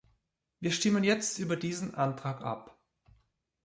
Wir stimmen jetzt über diesen Antrag ab.